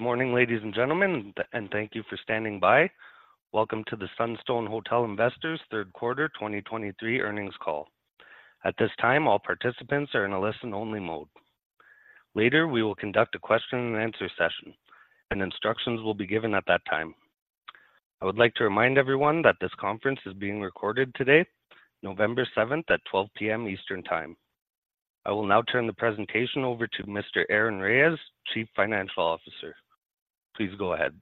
Good morning, ladies and gentlemen, and thank you for standing by. Welcome to the Sunstone Hotel Investors third quarter 2023 earnings call. At this time, all participants are in a listen-only mode. Later, we will conduct a question and answer session, and instructions will be given at that time. I would like to remind everyone that this conference is being recorded today, November 7th, at 12:00 P.M. Eastern Time. I will now turn the presentation over to Mr. Aaron Reyes, Chief Financial Officer. Please go ahead.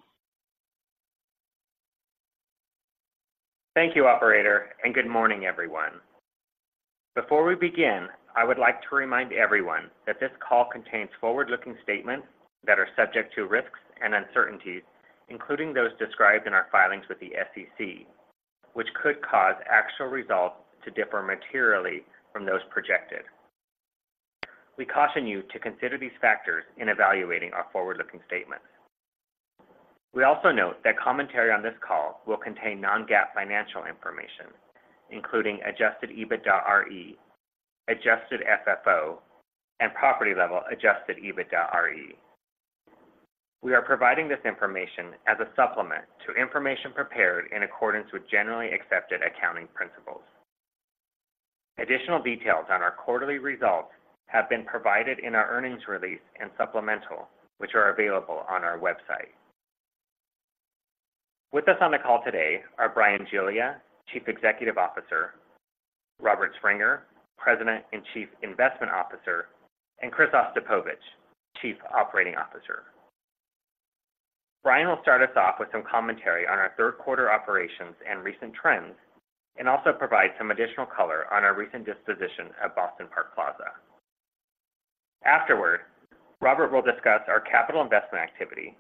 Thank you, operator, and good morning, everyone. Before we begin, I would like to remind everyone that this call contains forward-looking statements that are subject to risks and uncertainties, including those described in our filings with the SEC, which could cause actual results to differ materially from those projected. We caution you to consider these factors in evaluating our forward-looking statements. We also note that commentary on this call will contain non-GAAP financial information, including adjusted EBITDA RE, adjusted FFO, and property-level adjusted EBITDA RE. We are providing this information as a supplement to information prepared in accordance with generally accepted accounting principles. Additional details on our quarterly results have been provided in our earnings release and supplemental, which are available on our website. With us on the call today are Bryan Giglia, Chief Executive Officer, Robert Springer, President and Chief Investment Officer, and Chris Ostapovicz, Chief Operating Officer. Bryan will start us off with some commentary on our third quarter operations and recent trends and also provide some additional color on our recent disposition at Boston Park Plaza. Afterward, Robert will discuss our capital investment activity.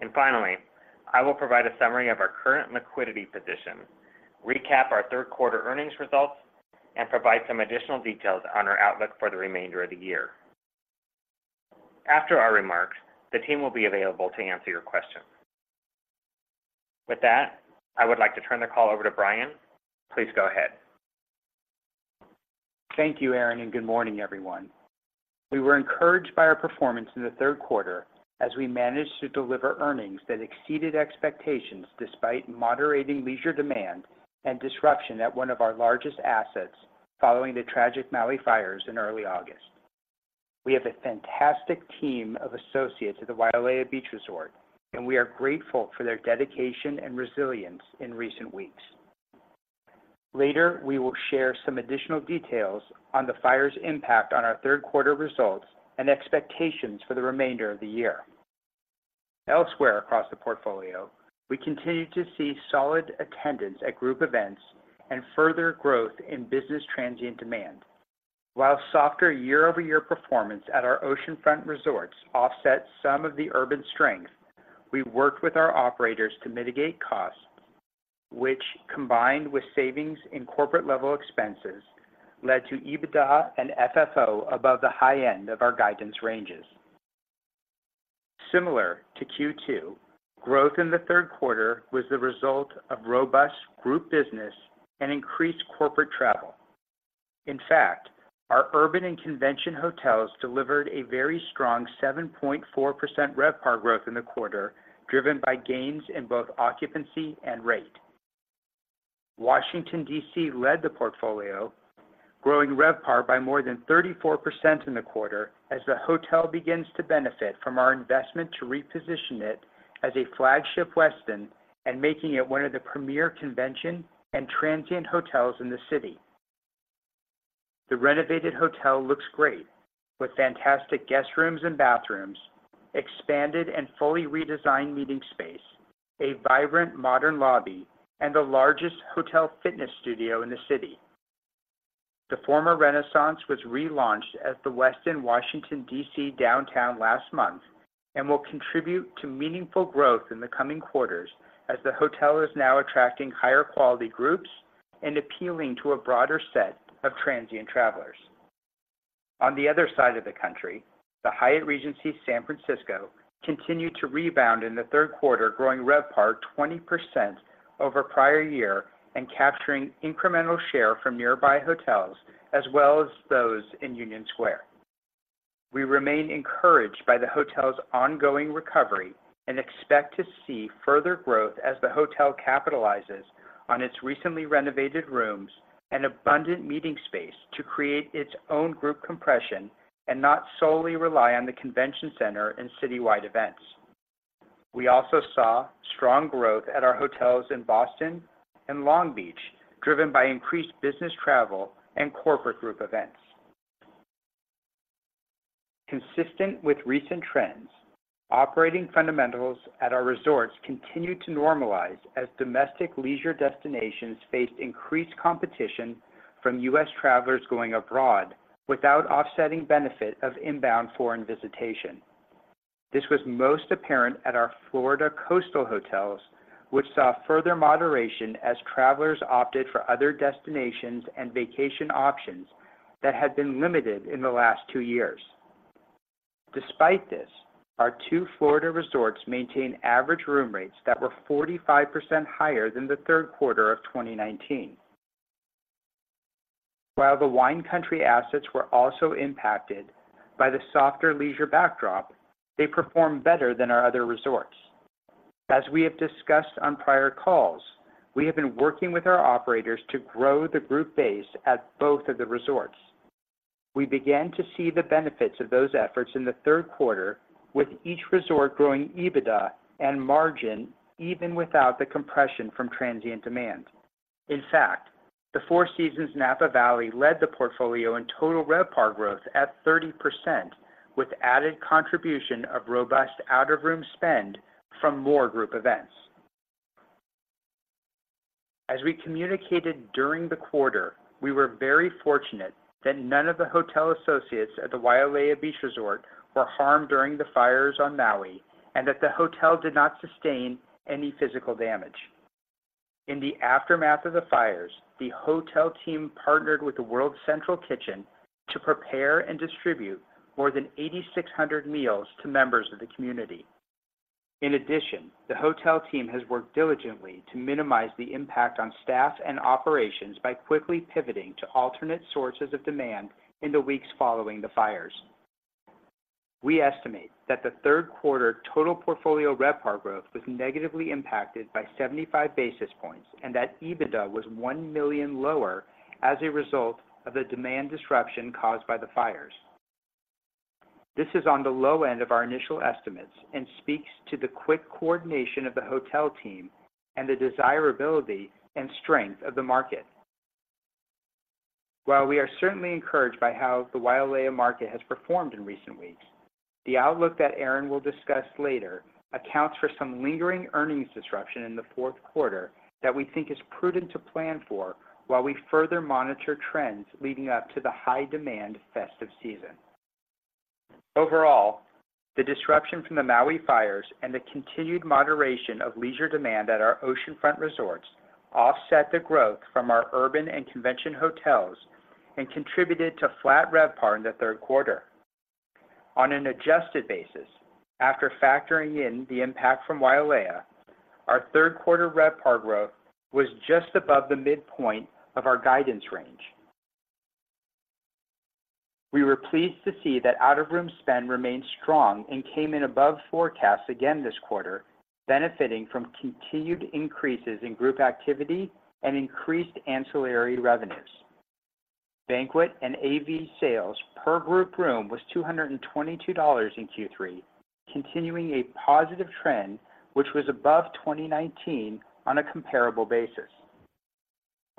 And finally, I will provide a summary of our current liquidity position, recap our third quarter earnings results, and provide some additional details on our outlook for the remainder of the year. After our remarks, the team will be available to answer your questions. With that, I would like to turn the call over to Bryan. Please go ahead. Thank you, Aaron, and good morning, everyone. We were encouraged by our performance in the third quarter as we managed to deliver earnings that exceeded expectations, despite moderating leisure demand and disruption at one of our largest assets following the tragic Maui fires in early August. We have a fantastic team of associates at the Wailea Beach Resort, and we are grateful for their dedication and resilience in recent weeks. Later, we will share some additional details on the fire's impact on our third quarter results and expectations for the remainder of the year. Elsewhere across the portfolio, we continued to see solid attendance at group events and further growth in business transient demand. While softer year-over-year performance at our oceanfront resorts offset some of the urban strength, we worked with our operators to mitigate costs, which, combined with savings in corporate-level expenses, led to EBITDA and FFO above the high end of our guidance ranges. Similar to Q2, growth in the third quarter was the result of robust group business and increased corporate travel. In fact, our urban and convention hotels delivered a very strong 7.4% RevPAR growth in the quarter, driven by gains in both occupancy and rate. Washington, D.C. led the portfolio, growing RevPAR by more than 34% in the quarter as the hotel begins to benefit from our investment to reposition it as a flagship Westin and making it one of the premier convention and transient hotels in the city. The renovated hotel looks great, with fantastic guest rooms and bathrooms, expanded and fully redesigned meeting space, a vibrant modern lobby, and the largest hotel fitness studio in the city. The former Renaissance was relaunched as the Westin Washington, D.C. Downtown last month and will contribute to meaningful growth in the coming quarters as the hotel is now attracting higher quality groups and appealing to a broader set of transient travelers. On the other side of the country, the Hyatt Regency San Francisco continued to rebound in the third quarter, growing RevPAR 20% over prior year and capturing incremental share from nearby hotels as well as those in Union Square. We remain encouraged by the hotel's ongoing recovery and expect to see further growth as the hotel capitalizes on its recently renovated rooms and abundant meeting space to create its own group compression and not solely rely on the convention center and citywide events. We also saw strong growth at our hotels in Boston and Long Beach, driven by increased business travel and corporate group events. Consistent with recent trends, operating fundamentals at our resorts continued to normalize as domestic leisure destinations faced increased competition from U.S. travelers going abroad without offsetting benefit of inbound foreign visitation. This was most apparent at our Florida coastal hotels, which saw further moderation as travelers opted for other destinations and vacation options that had been limited in the last two years. Despite this, our two Florida resorts maintained average room rates that were 45% higher than the third quarter of 2019. While the Wine Country assets were also impacted by the softer leisure backdrop, they performed better than our other resorts. As we have discussed on prior calls, we have been working with our operators to grow the group base at both of the resorts. We began to see the benefits of those efforts in the third quarter, with each resort growing EBITDA and margin, even without the compression from transient demand. In fact, the Four Seasons Napa Valley led the portfolio in total RevPAR growth at 30%, with added contribution of robust out-of-room spend from more group events. As we communicated during the quarter, we were very fortunate that none of the hotel associates at the Wailea Beach Resort were harmed during the fires on Maui, and that the hotel did not sustain any physical damage. In the aftermath of the fires, the hotel team partnered with the World Central Kitchen to prepare and distribute more than 8,600 meals to members of the community. In addition, the hotel team has worked diligently to minimize the impact on staff and operations by quickly pivoting to alternate sources of demand in the weeks following the fires. We estimate that the third quarter total portfolio RevPAR growth was negatively impacted by 75 basis points, and that EBITDA was $1 million lower as a result of the demand disruption caused by the fires. This is on the low end of our initial estimates and speaks to the quick coordination of the hotel team and the desirability and strength of the market. While we are certainly encouraged by how the Wailea market has performed in recent weeks, the outlook that Aaron will discuss later accounts for some lingering earnings disruption in the fourth quarter that we think is prudent to plan for while we further monitor trends leading up to the high-demand festive season. Overall, the disruption from the Maui fires and the continued moderation of leisure demand at our oceanfront resorts offset the growth from our urban and convention hotels and contributed to flat RevPAR in the third quarter. On an adjusted basis, after factoring in the impact from Wailea, our third quarter RevPAR growth was just above the midpoint of our guidance range. We were pleased to see that out-of-room spend remained strong and came in above forecasts again this quarter, benefiting from continued increases in group activity and increased ancillary revenues. Banquet and AV sales per group room was $222 in Q3, continuing a positive trend, which was above 2019 on a comparable basis.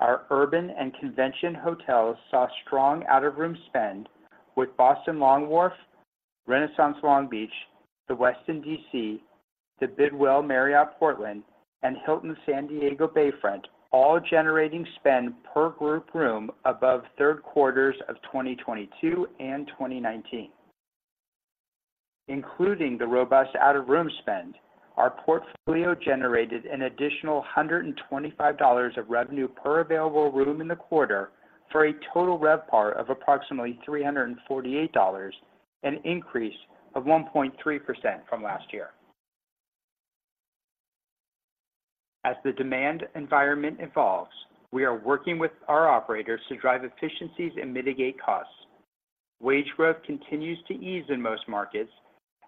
Our urban and convention hotels saw strong out-of-room spend with Boston Long Wharf, Renaissance Long Beach, The Westin DC, the Bidwell Marriott, Portland, and Hilton San Diego Bayfront, all generating spend per group room above third quarters of 2022 and 2019. Including the robust out-of-room spend, our portfolio generated an additional $125 of revenue per available room in the quarter, for a total RevPAR of approximately $348, an increase of 1.3% from last year. As the demand environment evolves, we are working with our operators to drive efficiencies and mitigate costs. Wage growth continues to ease in most markets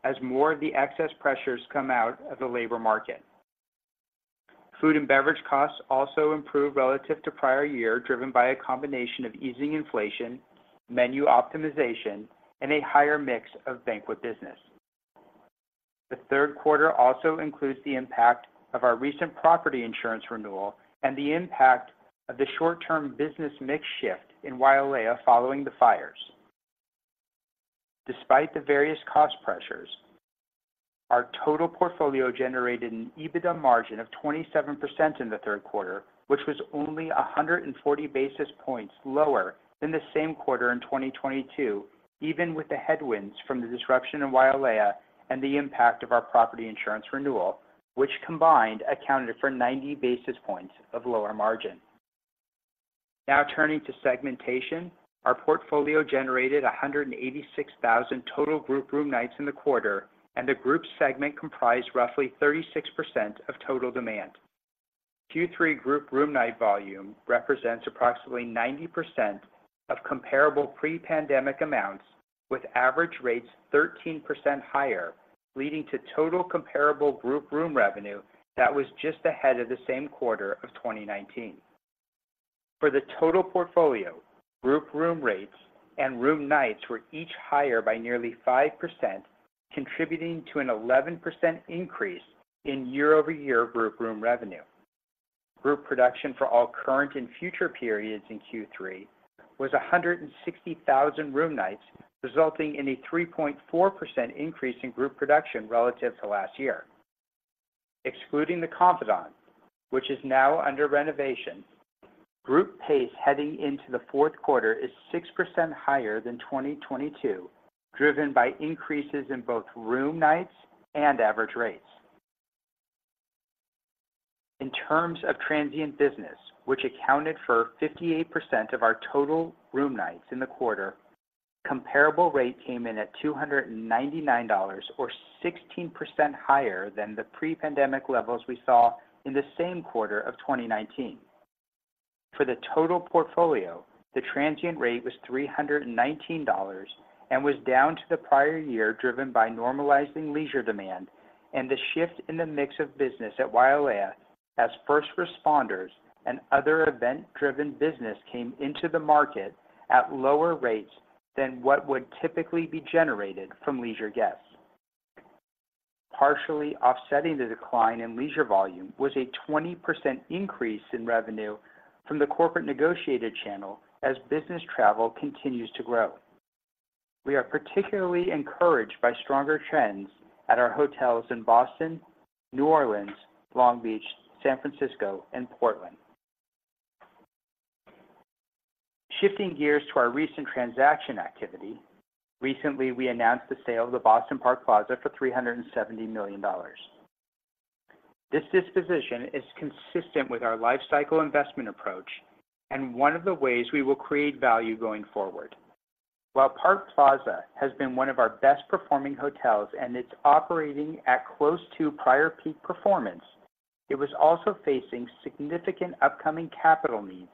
as more of the excess pressures come out of the labor market. Food and beverage costs also improved relative to prior year, driven by a combination of easing inflation, menu optimization, and a higher mix of banquet business. The third quarter also includes the impact of our recent property insurance renewal and the impact of the short-term business mix shift in Wailea following the fires. Despite the various cost pressures, our total portfolio generated an EBITDA margin of 27% in the third quarter, which was only 140 basis points lower than the same quarter in 2022, even with the headwinds from the disruption in Wailea and the impact of our property insurance renewal, which combined, accounted for 90 basis points of lower margin. Now, turning to segmentation. Our portfolio generated 186,000 total group room nights in the quarter, and the group segment comprised roughly 36% of total demand. Q3 group room night volume represents approximately 90% of comparable pre-pandemic amounts, with average rates 13% higher, leading to total comparable group room revenue that was just ahead of the same quarter of 2019. For the total portfolio, group room rates and room nights were each higher by nearly 5%, contributing to an 11% increase in year-over-year group room revenue. Group production for all current and future periods in Q3 was 160,000 room nights, resulting in a 3.4% increase in group production relative to last year. Excluding The Confidante, which is now under renovation, group pace heading into the fourth quarter is 6% higher than 2022, driven by increases in both room nights and average rates. In terms of transient business, which accounted for 58% of our total room nights in the quarter, comparable rate came in at $299, or 16% higher than the pre-pandemic levels we saw in the same quarter of 2019. For the total portfolio, the transient rate was $319 and was down to the prior year, driven by normalizing leisure demand and the shift in the mix of business at Wailea, as first responders and other event-driven business came into the market at lower rates than what would typically be generated from leisure guests. Partially offsetting the decline in leisure volume was a 20% increase in revenue from the corporate negotiated channel as business travel continues to grow. We are particularly encouraged by stronger trends at our hotels in Boston, New Orleans, Long Beach, San Francisco, and Portland. Shifting gears to our recent transaction activity, recently, we announced the sale of the Boston Park Plaza for $370 million. This disposition is consistent with our lifecycle investment approach and one of the ways we will create value going forward. While Park Plaza has been one of our best-performing hotels and it's operating at close to prior peak performance, it was also facing significant upcoming capital needs,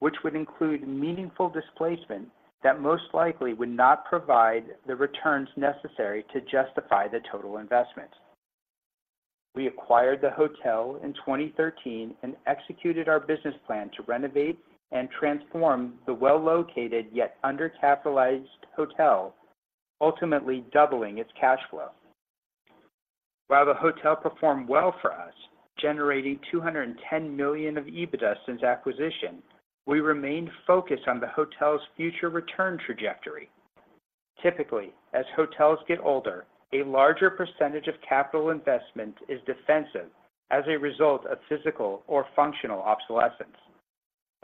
which would include meaningful displacement that most likely would not provide the returns necessary to justify the total investment. We acquired the hotel in 2013 and executed our business plan to renovate and transform the well-located, yet undercapitalized hotel, ultimately doubling its cash flow. While the hotel performed well for us, generating $210 million of EBITDA since acquisition, we remained focused on the hotel's future return trajectory. Typically, as hotels get older, a larger percentage of capital investment is defensive as a result of physical or functional obsolescence.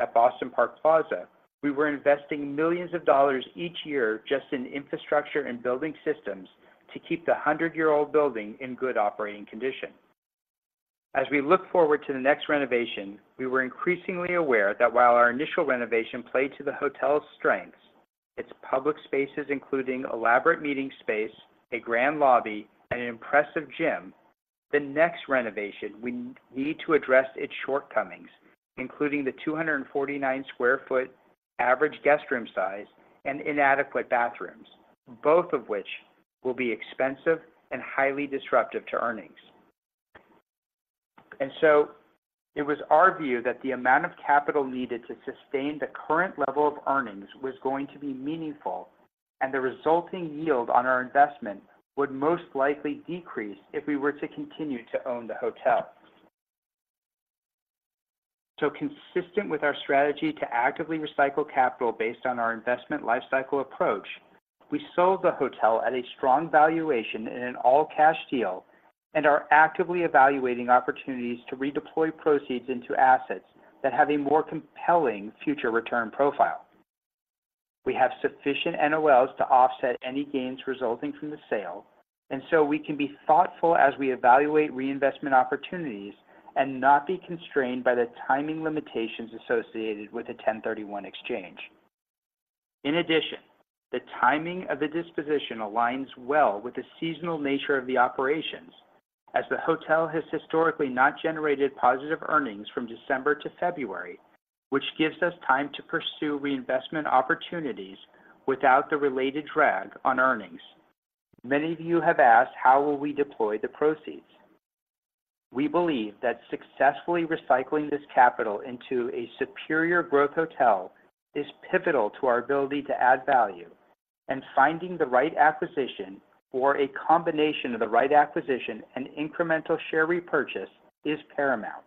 At Boston Park Plaza, we were investing millions of dollars each year just in infrastructure and building systems to keep the 100-year-old building in good operating condition. As we look forward to the next renovation, we were increasingly aware that while our initial renovation played to the hotel's strengths, its public spaces, including elaborate meeting space, a grand lobby, and an impressive gym, the next renovation, we need to address its shortcomings, including the 249 sq ft average guest room size and inadequate bathrooms, both of which will be expensive and highly disruptive to earnings. And so it was our view that the amount of capital needed to sustain the current level of earnings was going to be meaningful, and the resulting yield on our investment would most likely decrease if we were to continue to own the hotel. So consistent with our strategy to actively recycle capital based on our investment lifecycle approach, we sold the hotel at a strong valuation in an all-cash deal and are actively evaluating opportunities to redeploy proceeds into assets that have a more compelling future return profile. We have sufficient NOLs to offset any gains resulting from the sale, and so we can be thoughtful as we evaluate reinvestment opportunities and not be constrained by the timing limitations associated with a 1031 Exchange. In addition, the timing of the disposition aligns well with the seasonal nature of the operations, as the hotel has historically not generated positive earnings from December to February, which gives us time to pursue reinvestment opportunities without the related drag on earnings. Many of you have asked, how will we deploy the proceeds? We believe that successfully recycling this capital into a superior growth hotel is pivotal to our ability to add value, and finding the right acquisition or a combination of the right acquisition and incremental share repurchase is paramount.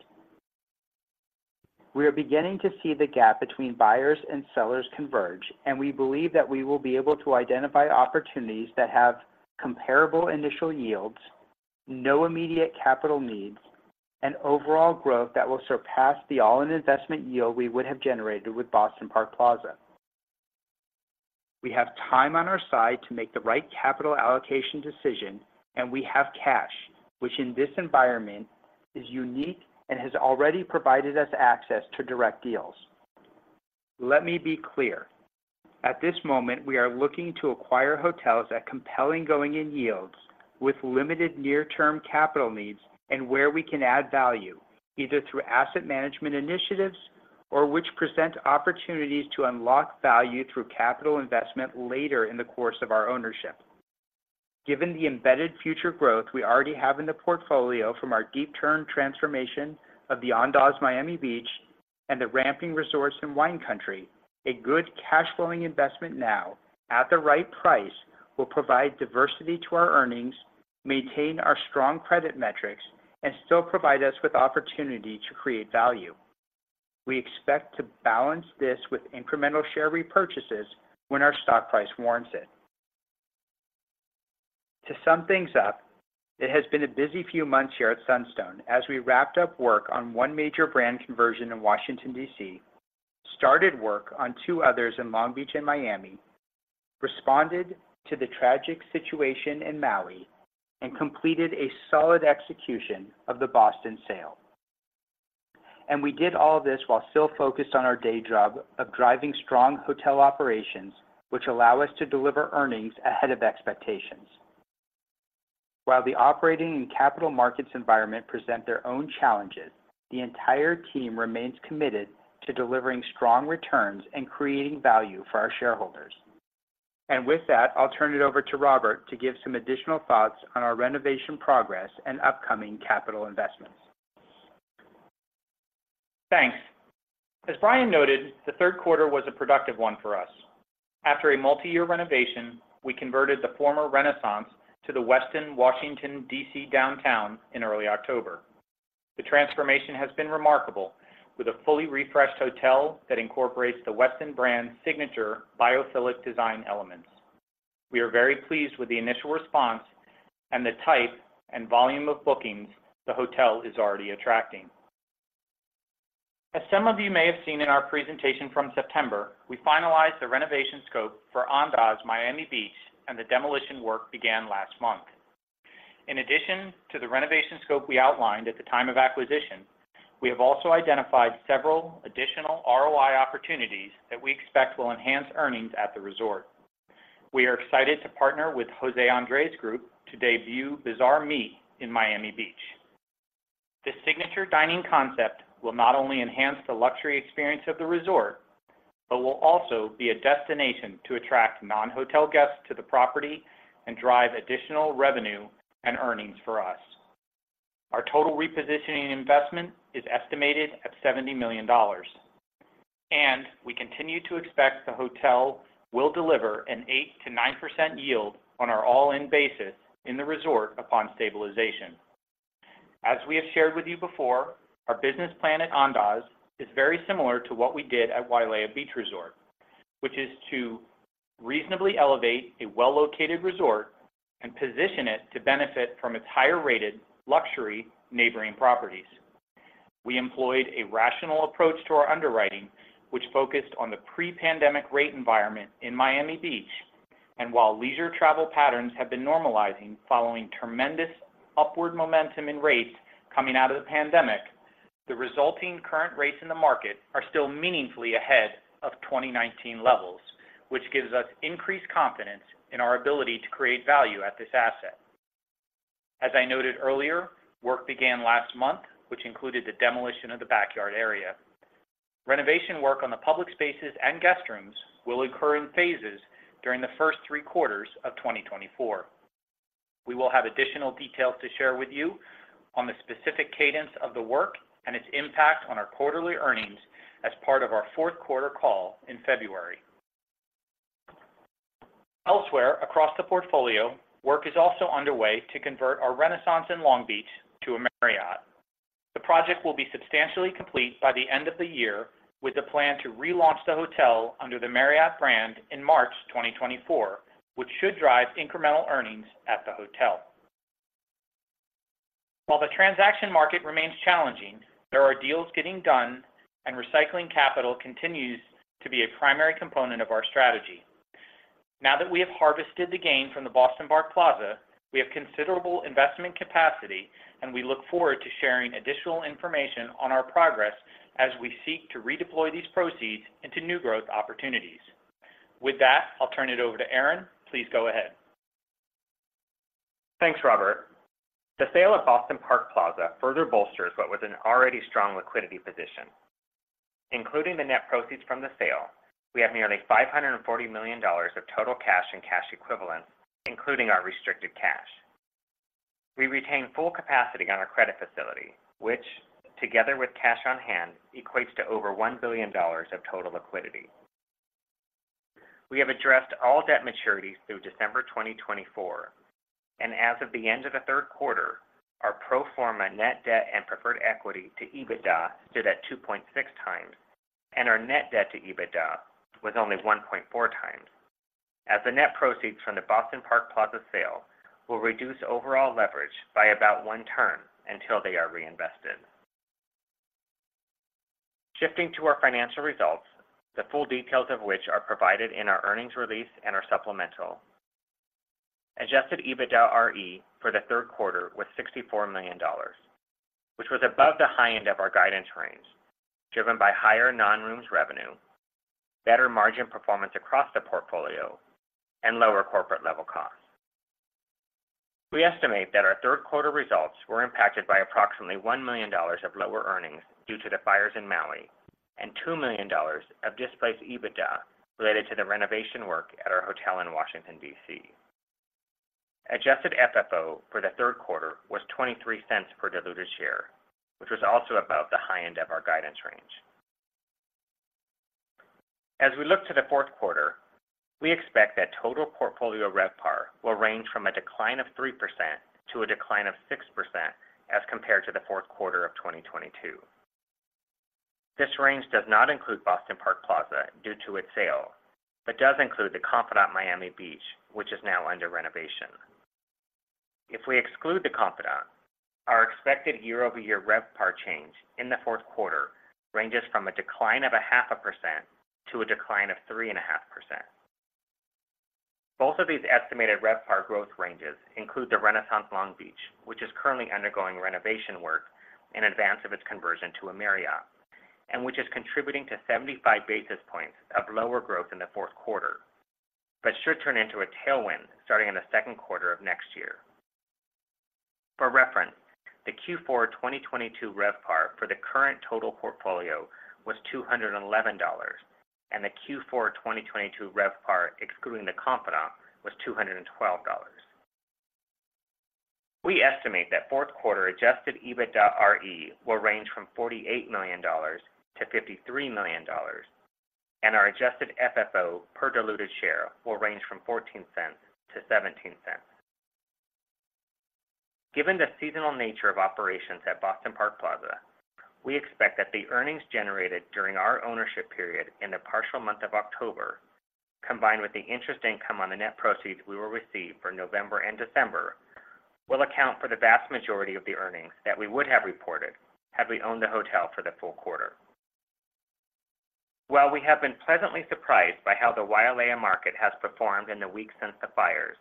We are beginning to see the gap between buyers and sellers converge, and we believe that we will be able to identify opportunities that have comparable initial yields, no immediate capital needs, and overall growth that will surpass the all-in investment yield we would have generated with Boston Park Plaza. We have time on our side to make the right capital allocation decision, and we have cash, which in this environment is unique and has already provided us access to direct deals. Let me be clear: At this moment, we are looking to acquire hotels at compelling going-in yields with limited near-term capital needs and where we can add value, either through asset management initiatives or which present opportunities to unlock value through capital investment later in the course of our ownership. Given the embedded future growth we already have in the portfolio from our deep turn transformation of the Andaz Miami Beach and the ramping resorts in Wine Country, a good cash flowing investment now at the right price, will provide diversity to our earnings, maintain our strong credit metrics, and still provide us with opportunity to create value. We expect to balance this with incremental share repurchases when our stock price warrants it. To sum things up, it has been a busy few months here at Sunstone as we wrapped up work on one major brand conversion in Washington, D.C., started work on two others in Long Beach and Miami, responded to the tragic situation in Maui, and completed a solid execution of the Boston sale. And we did all this while still focused on our day job of driving strong hotel operations, which allow us to deliver earnings ahead of expectations. While the operating and capital markets environment present their own challenges, the entire team remains committed to delivering strong returns and creating value for our shareholders. And with that, I'll turn it over to Robert to give some additional thoughts on our renovation progress and upcoming capital investments. Thanks. As Bryan noted, the third quarter was a productive one for us. After a multi-year renovation, we converted the former Renaissance to the Westin Washington, DC Downtown in early October. The transformation has been remarkable, with a fully refreshed hotel that incorporates the Westin brand's signature biophilic design elements. We are very pleased with the initial response and the type and volume of bookings the hotel is already attracting. As some of you may have seen in our presentation from September, we finalized the renovation scope for Andaz Miami Beach, and the demolition work began last month. In addition to the renovation scope we outlined at the time of acquisition, we have also identified several additional ROI opportunities that we expect will enhance earnings at the resort. We are excited to partner with José Andrés Group to debut Bazaar Mar in Miami Beach. This signature dining concept will not only enhance the luxury experience of the resort, but will also be a destination to attract non-hotel guests to the property and drive additional revenue and earnings for us. Our total repositioning investment is estimated at $70 million, and we continue to expect the hotel will deliver an 8%-9% yield on our all-in basis in the resort upon stabilization. As we have shared with you before, our business plan at Andaz is very similar to what we did at Wailea Beach Resort, which is to reasonably elevate a well-located resort and position it to benefit from its higher-rated luxury neighboring properties. We employed a rational approach to our underwriting, which focused on the pre-pandemic rate environment in Miami Beach, and while leisure travel patterns have been normalizing following tremendous upward momentum in rates coming out of the pandemic, the resulting current rates in the market are still meaningfully ahead of 2019 levels, which gives us increased confidence in our ability to create value at this asset. As I noted earlier, work began last month, which included the demolition of the backyard area. Renovation work on the public spaces and guest rooms will occur in phases during the first three quarters of 2024. We will have additional details to share with you on the specific cadence of the work and its impact on our quarterly earnings as part of our fourth quarter call in February. Elsewhere, across the portfolio, work is also underway to convert our Renaissance in Long Beach to a Marriott. The project will be substantially complete by the end of the year, with a plan to relaunch the hotel under the Marriott brand in March 2024, which should drive incremental earnings at the hotel. While the transaction market remains challenging, there are deals getting done, and recycling capital continues to be a primary component of our strategy. Now that we have harvested the gain from the Boston Park Plaza, we have considerable investment capacity, and we look forward to sharing additional information on our progress as we seek to redeploy these proceeds into new growth opportunities. With that, I'll turn it over to Aaron. Please go ahead. Thanks, Robert. The sale of Boston Park Plaza further bolsters what was an already strong liquidity position. Including the net proceeds from the sale, we have nearly $540 million of total cash and cash equivalents, including our restricted cash. We retain full capacity on our credit facility, which, together with cash on hand, equates to over $1 billion of total liquidity. We have addressed all debt maturities through December 2024, and as of the end of the third quarter, our pro forma net debt and preferred equity to EBITDA stood at 2.6 times, and our net debt to EBITDA was only 1.4 times, as the net proceeds from the Boston Park Plaza sale will reduce overall leverage by about one turn until they are reinvested. Shifting to our financial results, the full details of which are provided in our earnings release and are supplemental. Adjusted EBITDARE for the third quarter was $64 million, which was above the high end of our guidance range, driven by higher non-rooms revenue, better margin performance across the portfolio, and lower corporate-level costs. We estimate that our third quarter results were impacted by approximately $1 million of lower earnings due to the fires in Maui and $2 million of displaced EBITDA related to the renovation work at our hotel in Washington, D.C. Adjusted FFO for the third quarter was $0.23 per diluted share, which was also above the high end of our guidance range. As we look to the fourth quarter, we expect that total portfolio RevPAR will range from a 3% decline to a 6% decline as compared to the fourth quarter of 2022. This range does not include Boston Park Plaza due to its sale, but does include The Confidante Miami Beach, which is now under renovation. If we exclude The Confidante, our expected year-over-year RevPAR change in the fourth quarter ranges from a 0.5% decline to a 3.5% decline. Both of these estimated RevPAR growth ranges include the Renaissance Long Beach, which is currently undergoing renovation work in advance of its conversion to a Marriott, and which is contributing to 75 basis points of lower growth in the fourth quarter, but should turn into a tailwind starting in the second quarter of next year. For reference, the Q4 2022 RevPAR for the current total portfolio was $211, and the Q4 2022 RevPAR, excluding the Confidante, was $212. We estimate that fourth quarter Adjusted EBITDARE will range from $48 million-$53 million, and our Adjusted FFO per diluted share will range from $0.14-$0.17. Given the seasonal nature of operations at Boston Park Plaza, we expect that the earnings generated during our ownership period in the partial month of October, combined with the interest income on the net proceeds we will receive for November and December, will account for the vast majority of the earnings that we would have reported had we owned the hotel for the full quarter. While we have been pleasantly surprised by how the Wailea market has performed in the weeks since the fires,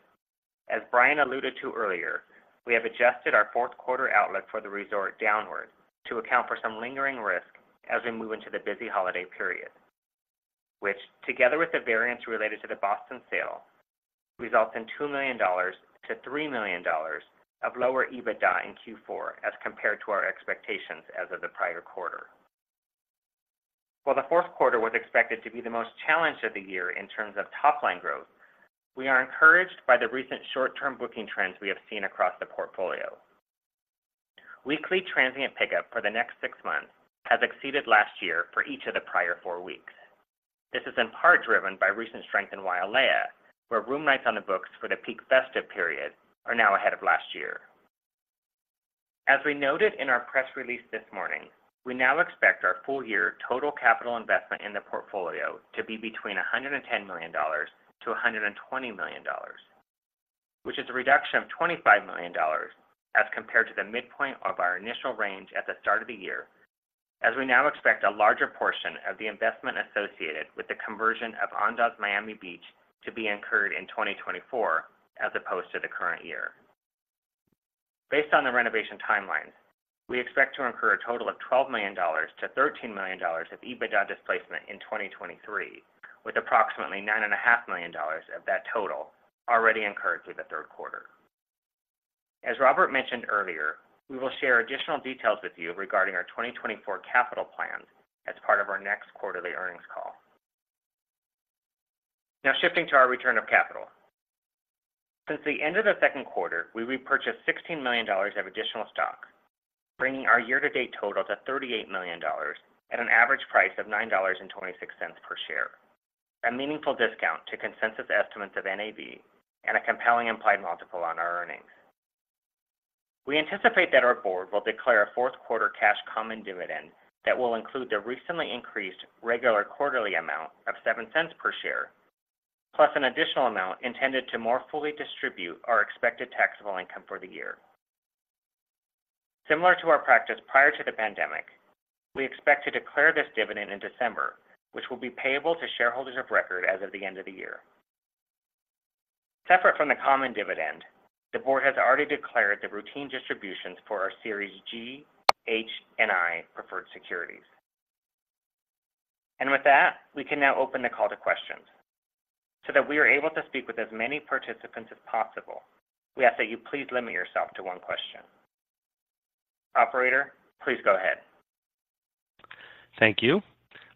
as Bryan alluded to earlier, we have adjusted our fourth quarter outlook for the resort downward to account for some lingering risk as we move into the busy holiday period, which, together with the variance related to the Boston sale, results in $2 million-$3 million of lower EBITDA in Q4 as compared to our expectations as of the prior quarter. While the fourth quarter was expected to be the most challenged of the year in terms of top-line growth, we are encouraged by the recent short-term booking trends we have seen across the portfolio. Weekly transient pickup for the next six months has exceeded last year for each of the prior four weeks. This is in part driven by recent strength in Wailea, where room nights on the books for the peak festive period are now ahead of last year. As we noted in our press release this morning, we now expect our full year total capital investment in the portfolio to be between $110 million-$120 million, which is a reduction of $25 million as compared to the midpoint of our initial range at the start of the year, as we now expect a larger portion of the investment associated with the conversion of Andaz Miami Beach to be incurred in 2024, as opposed to the current year. Based on the renovation timelines, we expect to incur a total of $12 million-$13 million of EBITDA displacement in 2023, with approximately $9.5 million of that total already incurred through the third quarter. As Robert mentioned earlier, we will share additional details with you regarding our 2024 capital plan as part of our next quarterly earnings call. Now, shifting to our return of capital. Since the end of the second quarter, we repurchased $16 million of additional stock, bringing our year-to-date total to $38 million at an average price of $9.26 per share, a meaningful discount to consensus estimates of NAV and a compelling implied multiple on our earnings. We anticipate that our board will declare a fourth quarter cash common dividend that will include the recently increased regular quarterly amount of $0.07 per share, plus an additional amount intended to more fully distribute our expected taxable income for the year. Similar to our practice prior to the pandemic, we expect to declare this dividend in December, which will be payable to shareholders of record as of the end of the year. Separate from the common dividend, the board has already declared the routine distributions for our Series G, H, and I preferred securities. And with that, we can now open the call to questions. So that we are able to speak with as many participants as possible, we ask that you please limit yourself to one question. Operator, please go ahead. Thank you.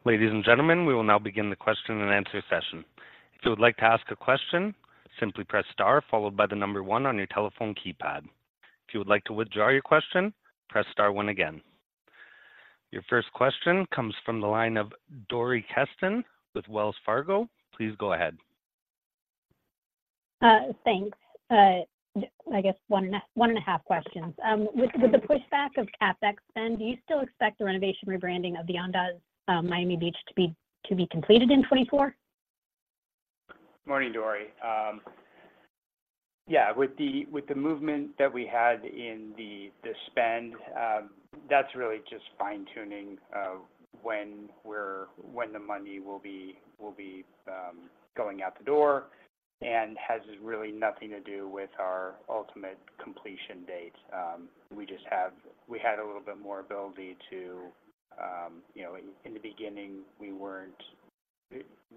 Ladies and gentlemen, we will now begin the question and answer session. If you would like to ask a question, simply press star followed by the number one on your telephone keypad. If you would like to withdraw your question, press star one again. Your first question comes from the line of Dori Kesten with Wells Fargo. Please go ahead. Thanks. I guess one and a half questions. With the pushback of CapEx spend, do you still expect the renovation rebranding of the Andaz Miami Beach to be completed in 2024? Morning, Dori. Yeah, with the movement that we had in the spend, that's really just fine-tuning of when the money will be going out the door, and has really nothing to do with our ultimate completion date. We just have, We had a little bit more ability to, you know, in the beginning,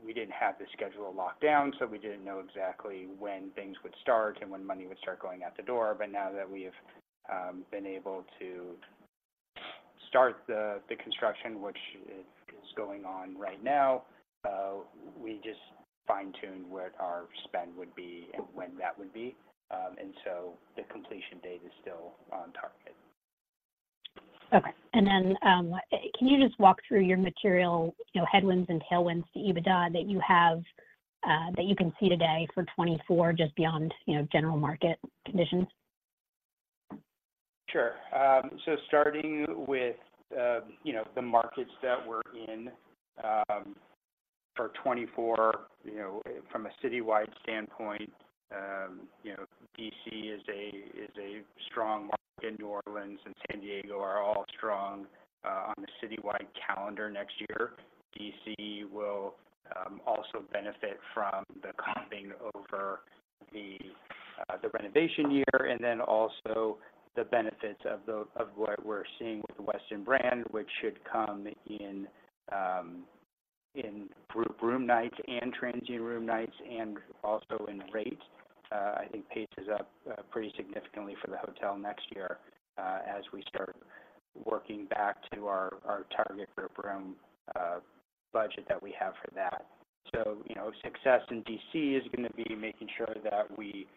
we didn't have the schedule locked down, so we didn't know exactly when things would start and when money would start going out the door. But now that we've been able to start the construction, which is going on right now, we just fine-tuned what our spend would be and when that would be. And so the completion date is still on target. Okay. Can you just walk through your material, you know, headwinds and tailwinds to EBITDA that you have, that you can see today for 2024, just beyond, you know, general market conditions? Sure. So starting with, you know, the markets that we're in, for 2024, you know, from a citywide standpoint you know, D.C. is a strong market, New Orleans and San Diego are all strong on the citywide calendar next year. D.C. will also benefit from the comps coming over the renovation year, and then also the benefits of what we're seeing with the Westin brand, which should come in group room nights and transient room nights and also in rate. I think pace is up pretty significantly for the hotel next year, as we start working back to our target group room budget that we have for that. So, you know, success in D.C. is gonna be making sure that we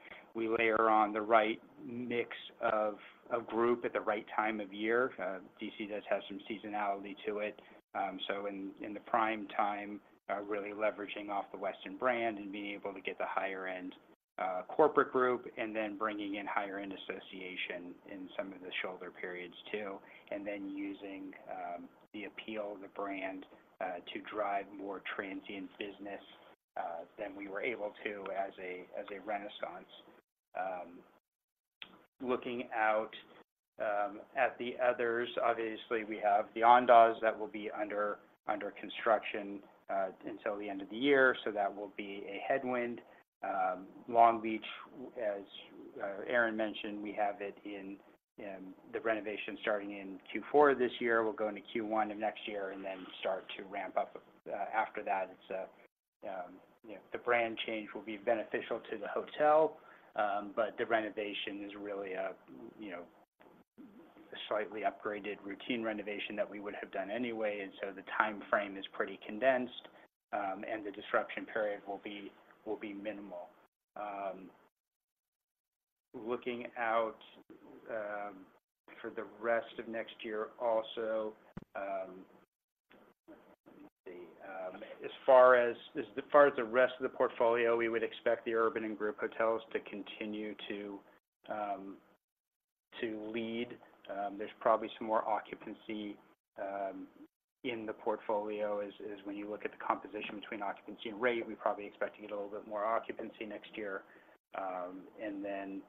layer on the right mix of group at the right time of year. D.C. does have some seasonality to it. So in the prime time, really leveraging off the Westin brand and being able to get the higher end corporate group, and then bringing in higher end association in some of the shoulder periods too. And then using the appeal of the brand to drive more transient business than we were able to as a Renaissance. Looking out at the others, obviously, we have the Andaz that will be under construction until the end of the year, so that will be a headwind. Long Beach, as Aaron mentioned, we have it in the renovation starting in Q4 this year. We'll go into Q1 of next year and then start to ramp up after that. It's, you know the brand change will be beneficial to the hotel, but the renovation is really a, you know, slightly upgraded routine renovation that we would have done anyway, and so the timeframe is pretty condensed, and the disruption period will be minimal. Looking out for the rest of next year also, let's see, as far as the rest of the portfolio, we would expect the urban and group hotels to continue to lead. There's probably some more occupancy in the portfolio, as when you look at the composition between occupancy and rate, we probably expect to get a little bit more occupancy next year. Then,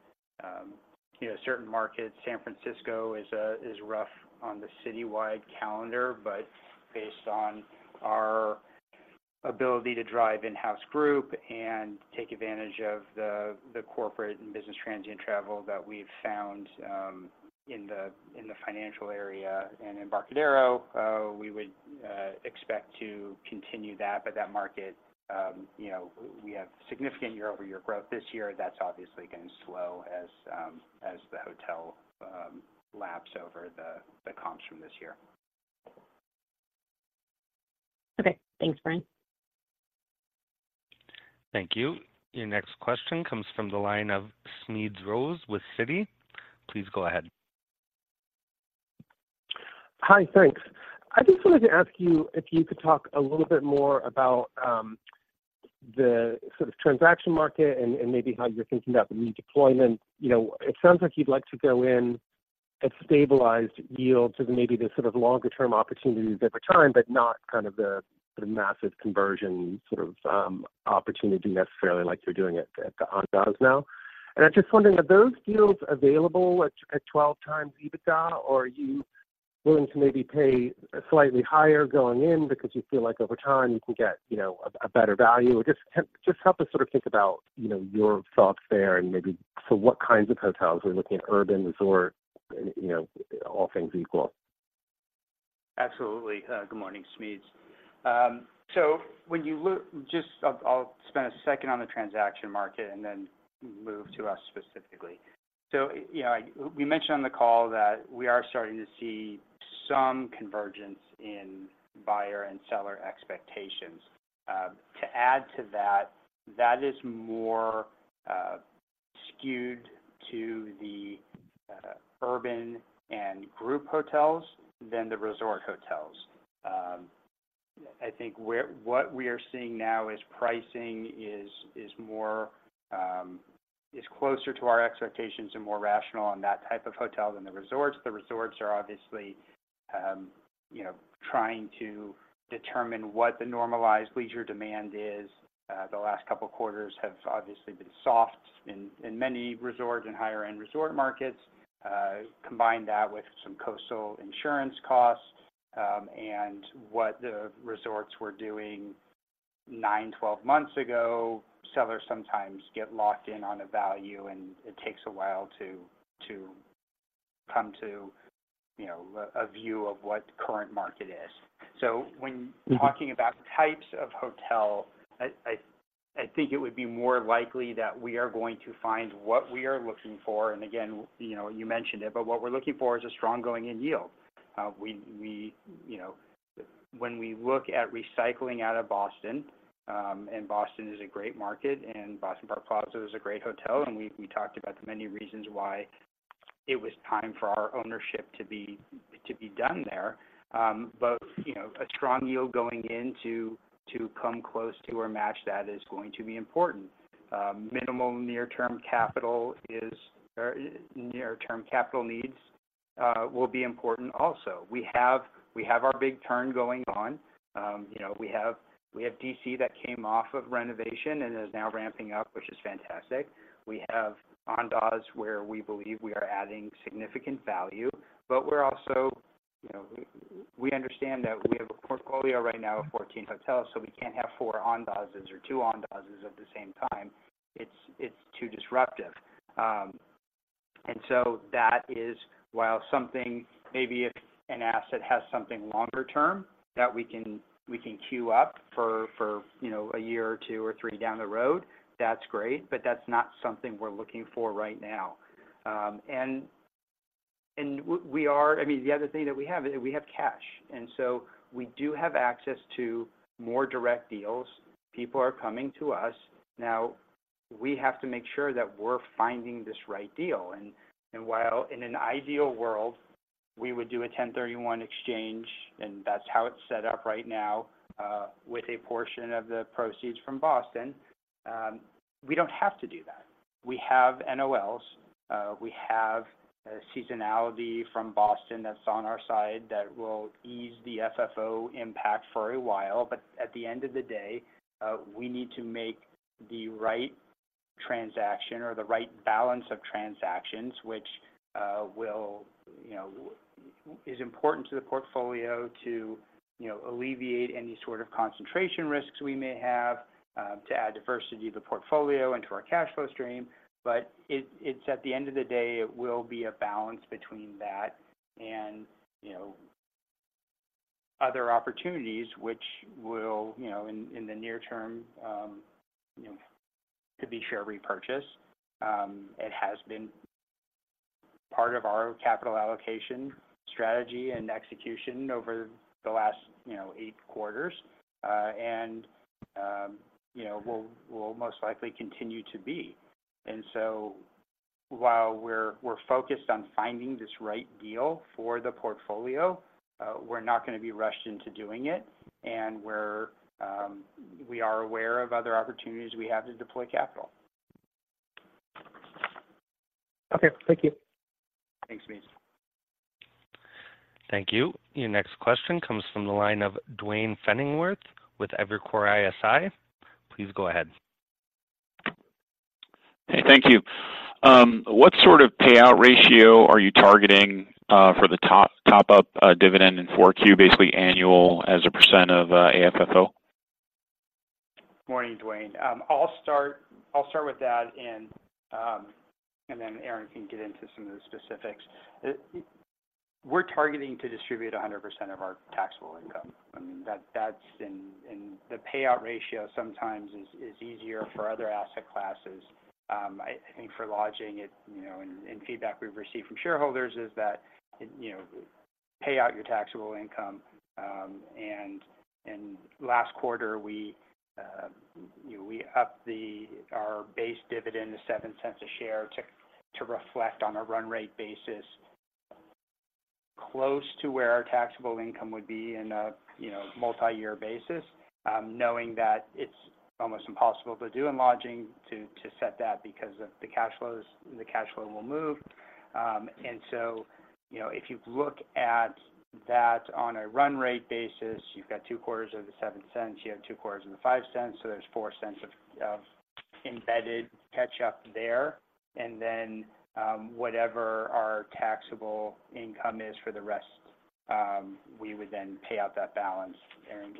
you know, certain markets, San Francisco is rough on the citywide calendar, but based on our ability to drive in-house group and take advantage of the corporate and business transient travel that we've found in the financial area and in Embarcadero, we would expect to continue that. But that market, you know, we have significant year-over-year growth this year. That's obviously going to slow as the hotel laps over the comps from this year. Okay. Thanks, Bryan. Thank you. Your next question comes from the line of Smedes Rose with Citi. Please go ahead. Hi, thanks. I just wanted to ask you if you could talk a little bit more about the sort of transaction market and maybe how you're thinking about the new deployment. You know, it sounds like you'd like to go in at stabilized yields as maybe the sort of longer-term opportunities over time, but not kind of the massive conversion sort of opportunity necessarily, like you're doing at the Andaz now. And I'm just wondering, are those deals available at 12x EBITDA, or are you willing to maybe pay slightly higher going in because you feel like over time you can get, you know, a better value? Just help us sort of think about your thoughts there and maybe so what kinds of hotels? We're looking at urban, resort, you know, all things equal. Absolutely. Good morning, Smedes. So when you look. Just, I'll spend a second on the transaction market and then move to us specifically. So, you know, we mentioned on the call that we are starting to see some convergence in buyer and seller expectations. To add to that, that is more skewed to the urban and group hotels than the resort hotels. I think what we are seeing now is pricing is closer to our expectations and more rational on that type of hotel than the resorts. The resorts are obviously, you know, trying to determine what the normalized leisure demand is. The last couple of quarters have obviously been soft in many resorts and higher-end resort markets. Combine that with some coastal insurance costs, and what the resorts were doing 9, 12 months ago, sellers sometimes get locked in on a value, and it takes a while to come to, you know, a view of what the current market is. So when, Mm-hmm. Talking about the types of hotel, I think it would be more likely that we are going to find what we are looking for. And again, you know, you mentioned it, but what we're looking for is a strong going-in yield. We you know when we look at recycling out of Boston, and Boston is a great market, and Boston Park Plaza is a great hotel, and we talked about the many reasons why it was time for our ownership to be done there. But, you know, a strong yield going in to come close to or match that is going to be important. Minimal near-term capital is, or near-term capital needs will be important also. We have our big turn going on. You know, we have D.C. that came off of renovation and is now ramping up, which is fantastic. We have Andaz, where we believe we are adding significant value, but we're also, you know, we understand that we have a portfolio right now of 14 hotels, so we can't have four Andazes or two Andazes at the same time. It's too disruptive. And so that is why something maybe if an asset has something longer term that we can queue up for, you know, a year or two or three down the road, that's great, but that's not something we're looking for right now. And we are, I mean, the other thing that we have is we have cash, and so we do have access to more direct deals. People are coming to us. Now, we have to make sure that we're finding this right deal, and, and while in an ideal world, we would do a 1031 exchange, and that's how it's set up right now, with a portion of the proceeds from Boston, we don't have to do that. We have NOLs. We have a seasonality from Boston that's on our side that will ease the FFO impact for a while, but at the end of the day, we need to make the right transaction or the right balance of transactions, which will, you know, is important to the portfolio to, you know, alleviate any sort of concentration risks we may have, to add diversity to the portfolio and to our cash flow stream. But it's at the end of the day, it will be a balance between that and, you know, other opportunities which will, you know, in the near term, you know, could be share repurchase. It has been part of our capital allocation, strategy, and execution over the last, you know, eight quarters, and, you know, will most likely continue to be. And so while we're focused on finding this right deal for the portfolio, we're not gonna be rushed into doing it, and we are aware of other opportunities we have to deploy capital. Okay. Thank you. Thanks, Rose. Thank you. Your next question comes from the line of Duane Pfennigwerth with Evercore ISI. Please go ahead. Hey, thank you. What sort of payout ratio are you targeting for the top, top-up dividend in 4Q, basically annual as a percent of AFFO? Morning, Duane. I'll start, I'll start with that, and then Aaron can get into some of the specifics. We're targeting to distribute 100% of our taxable income. I mean, that's in the payout ratio sometimes is easier for other asset classes. I think for lodging it, you know, and feedback we've received from shareholders is that, you know, pay out your taxable income. Last quarter, you know, we upped our base dividend to $0.07 a share to reflect on a run rate basis, close to where our taxable income would be in a multi-year basis. Knowing that it's almost impossible to do in lodging to set that because of the cash flows, the cash flow will move. and so, you know, if you look at that on a run rate basis, you've got two quarters of the $0.07, you have two quarters of the $0.05, so there's $0.04 of embedded catch up there. And then, whatever our taxable income is for the rest, we would then pay out that balance. Aaron?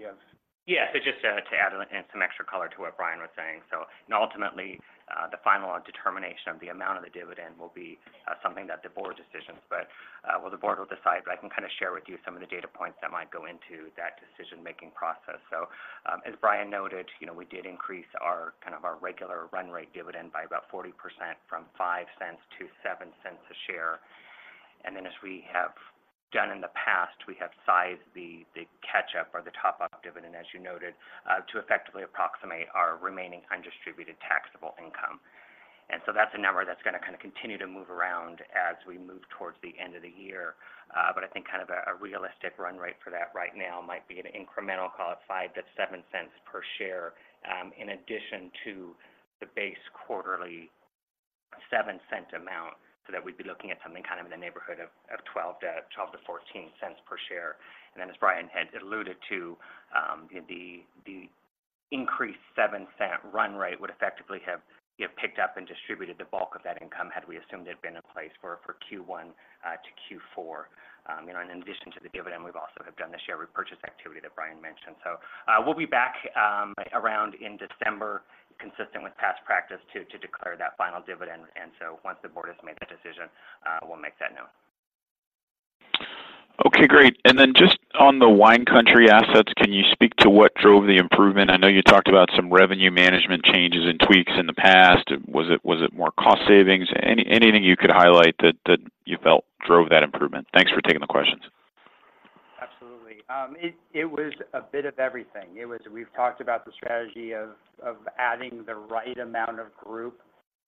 Yeah. So just to add in some extra color to what Bryan was saying. So and ultimately, the final determination of the amount of the dividend will be something that the board decisions, but well, the board will decide, but I can kind of share with you some of the data points that might go into that decision-making process. So, as Bryan noted, you know, we did increase our, kind of our regular run rate dividend by about 40% from $0.05 to $0.07 a share. And then, as we have done in the past, we have sized the, the catch up or the top up dividend, as you noted, to effectively approximate our remaining undistributed taxable income. And so that's a number that's gonna kind of continue to move around as we move towards the end of the year. But I think kind of a realistic run rate for that right now might be an incremental call it $0.05-$0.07 per share, in addition to the base quarterly $0.07 amount, so that we'd be looking at something kind of in the neighborhood of $0.12-$0.14 per share. And then, as Bryan had alluded to, the increased $0.07 run rate would effectively have, you know, picked up and distributed the bulk of that income had we assumed it had been in place for Q1 to Q4. You know, and in addition to the dividend, we've also have done the share repurchase activity that Bryan mentioned. So, we'll be back around in December, consistent with past practice, to declare that final dividend. Once the board has made that decision, we'll make that known. Okay, great. And then just on the Wine Country assets, can you speak to what drove the improvement? I know you talked about some revenue management changes and tweaks in the past. Was it more cost savings? Anything you could highlight that you felt drove that improvement? Thanks for taking the questions. Absolutely. It was a bit of everything. We've talked about the strategy of adding the right amount of group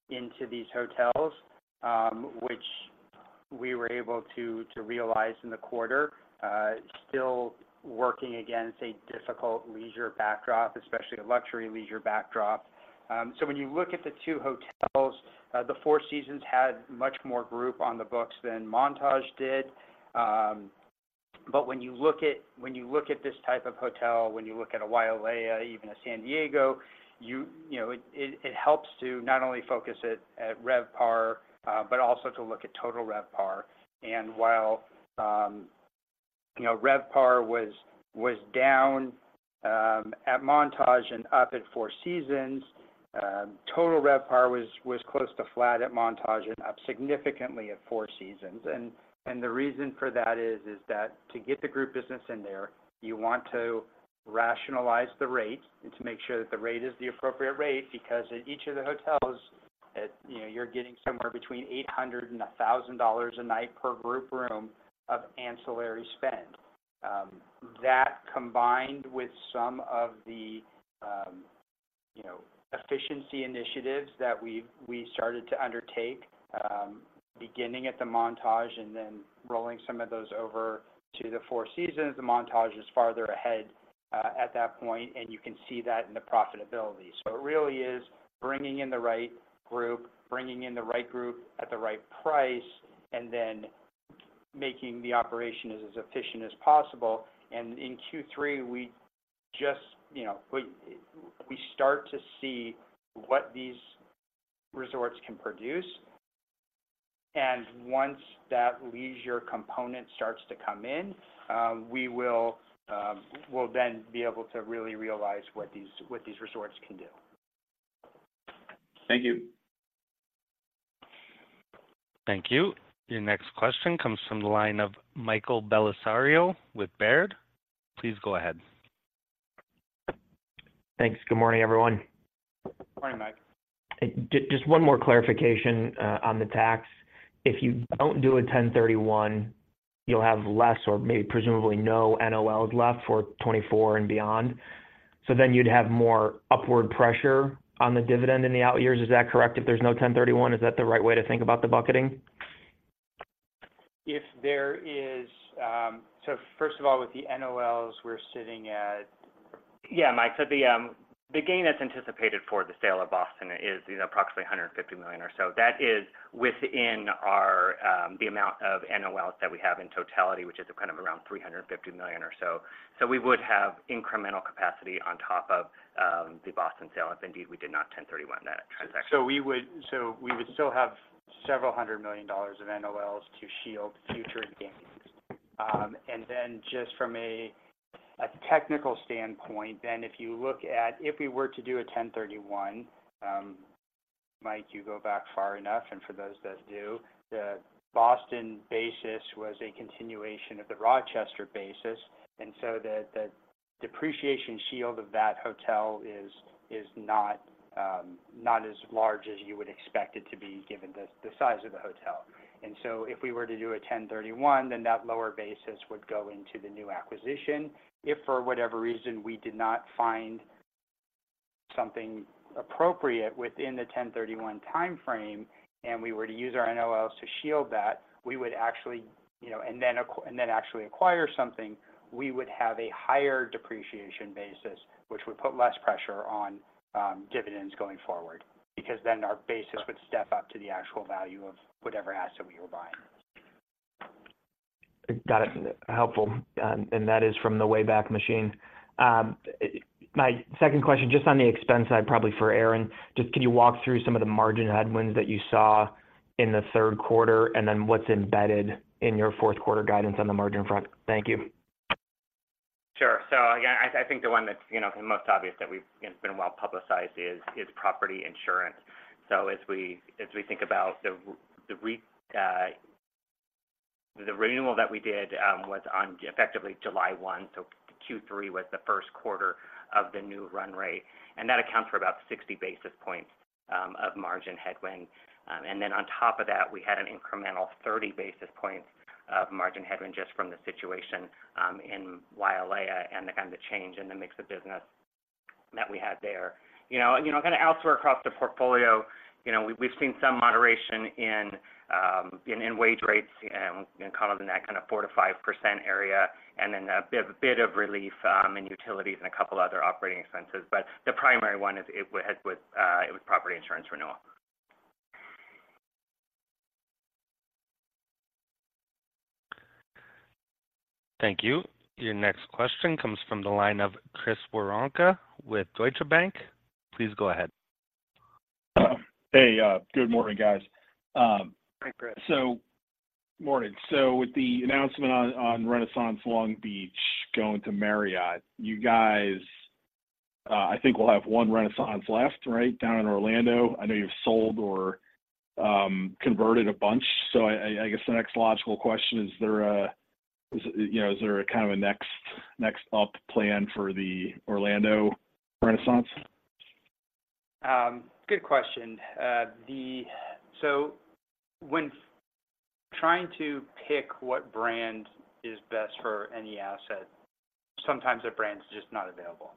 into these hotels, which we were able to realize in the quarter, still working against a difficult leisure backdrop, especially a luxury leisure backdrop. So when you look at the two hotels, the Four Seasons had much more group on the books than Montage did. But when you look at this type of hotel, when you look at a Wailea, even a San Diego, you know, it helps to not only focus it at RevPAR, but also to look at total RevPAR. And while, you know, RevPAR was down at Montage and up at Four Seasons, total RevPAR was close to flat at Montage and up significantly at Four Seasons. And the reason for that is that to get the group business in there, you want to rationalize the rate and to make sure that the rate is the appropriate rate, because at each of the hotels, you know, you're getting somewhere between $800 and $1,000 a night per group room of ancillary spend. That combined with some of the, you know, efficiency initiatives that we've started to undertake, beginning at the Montage and then rolling some of those over to the Four Seasons, the Montage is farther ahead at that point, and you can see that in the profitability. So it really is bringing in the right group, bringing in the right group at the right price, and then making the operation as efficient as possible. And in Q3, we just, you know, we start to see what these resorts can produce. And once that leisure component starts to come in, we will, we'll then be able to really realize what these resorts can do. Thank you. Thank you. Your next question comes from the line of Michael Bellisario with Baird. Please go ahead. Thanks. Good morning, everyone. Morning, Mike. Just one more clarification on the tax. If you don't do a 1031, you'll have less or maybe presumably no NOLs left for 2024 and beyond. So then you'd have more upward pressure on the dividend in the outyears, is that correct? If there's no 1031, is that the right way to think about the bucketing? So first of all, with the NOLs, we're sitting at, Yeah, Mike, so the gain that's anticipated for the sale of Boston is approximately $150 million or so. That is within our, the amount of NOLs that we have in totality, which is kind of around $350 million or so. So we would have incremental capacity on top of the Boston sale, if indeed we did not 1031 that transaction. So we would still have $several hundred million of NOLs to shield future gains. Then just from a technical standpoint, if you look at if we were to do a 1031, Mike, you go back far enough, and for those that do, the Boston basis was a continuation of the Rochester basis. So the depreciation shield of that hotel is not as large as you would expect it to be, given the size of the hotel. So if we were to do a 1031, then that lower basis would go into the new acquisition. If for whatever reason, we did not find something appropriate within the 1031 timeframe, and we were to use our NOLs to shield that, we would actually, you know, and then actually acquire something, we would have a higher depreciation basis, which would put less pressure on dividends going forward, because then our basis would step up to the actual value of whatever asset we were buying. Got it. Helpful. That is from the way back machine. My second question, just on the expense side, probably for Aaron: Just can you walk through some of the margin headwinds that you saw in the third quarter, and then what's embedded in your fourth quarter guidance on the margin front? Thank you. Sure. So again, I think the one that's, you know, the most obvious, that we've, it's been well-publicized is property insurance. So as we think about the renewal that we did was on effectively July 1st, so Q3 was the first quarter of the new run rate, and that accounts for about 60 basis points of margin headwind. And then on top of that, we had an incremental 30 basis points of margin headwind just from the situation in Wailea and the kind of change in the mix of business that we had there. You know, you know, kind of elsewhere across the portfolio, you know, we've seen some moderation in in wage rates, you know, kind of in that kind of 4%-5% area, and then a bit of relief in utilities and a couple other operating expenses. But the primary one is, it was, it was property insurance renewal. Thank you. Your next question comes from the line of Chris Woronka with Deutsche Bank. Please go ahead. Hey, good morning, guys. Hi, Chris. Morning. With the announcement on Renaissance Long Beach going to Marriott, you guys, I think will have one Renaissance left, right, down in Orlando. I know you've sold or converted a bunch. I guess the next logical question, is there a, you know, is there a kind of a next up plan for the Orlando Renaissance? Good question. So when trying to pick what brand is best for any asset, sometimes the brand is just not available.